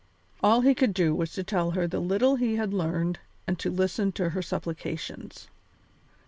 All he could do was to tell her the little he had learned and to listen to her supplications.